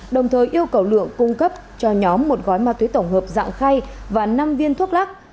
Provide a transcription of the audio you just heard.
đồng thời yêu cầu lượng cung cấp cho nhóm một gói ma túy tổng hợp dạng khay và năm viên thuốc lắc